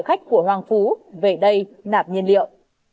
anh chạy chạy đi đâu